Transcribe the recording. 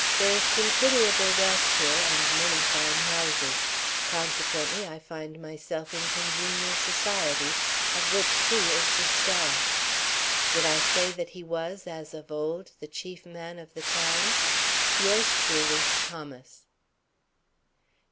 There is considerable wealth here and many fine houses. Consequently I find myself in a congenial society, of which she is the star. Did I say that he was, as of old, the chief man of the town? Yours truly, THOMAS.